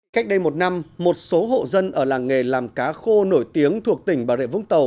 cách đây một năm một số hộ dân ở làng nghề làm cá khô nổi tiếng thuộc tỉnh bà rệ vũng tàu